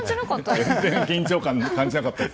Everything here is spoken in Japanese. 緊張感を感じなかったです。